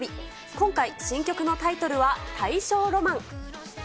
今回、新曲のタイトルは、大正浪漫。